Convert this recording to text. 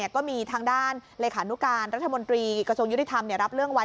ก็มีทางด้านเลขานุการรัฐมนตรีกระทรวงยุติธรรมรับเรื่องไว้